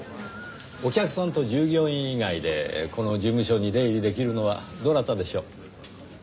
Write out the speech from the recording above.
お客さんと従業員以外でこの事務所に出入りできるのはどなたでしょう？